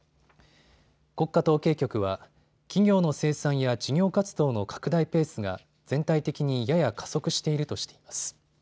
国家統計局は、企業の生産や事業活動の拡大ペースが全体的にやや加速しているとしています。